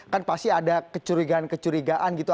kan pasti ada kecurigaan kecurigaan gitu